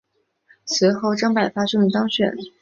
随后张百发顺利当选。